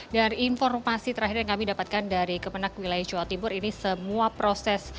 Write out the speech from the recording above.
dan informasi terakhir yang kami dapatkan dari kemenang wilayah jawa timur ini semua proses